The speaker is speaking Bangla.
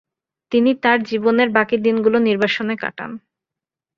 তিনি তার জীবনের বাকি দিনগুলো নির্বাসনে কাটান।